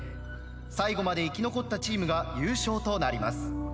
最後まで生き残ったチームが優勝となります。